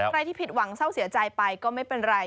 ที่ผิดหวังเศร้าเสียใจไปก็ไม่เป็นไร